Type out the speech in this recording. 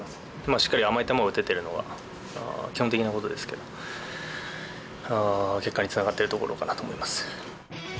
しっかり甘い球を打ててるのは、基本的なことですけど、結果につながってるところかなと思います。